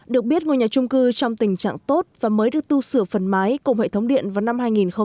được biết ngôi nhà trung cư trong tình trạng tốt và mới được tu sửa phần mái cùng hệ thống điện vào năm hai nghìn một mươi năm